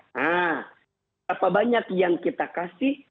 nah berapa banyak yang kita kasih